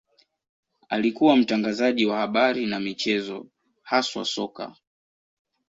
Alikuwa mtangazaji wa habari na michezo, haswa soka.